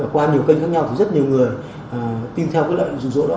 qua nhiều kênh khác nhau thì rất nhiều người tin theo cái lợi dụ dỗ đó